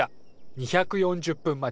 ２４０分待ち。